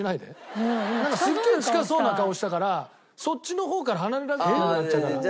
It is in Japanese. すっげえ近そうな顔したからそっちの方から離れられなくなっちゃうから。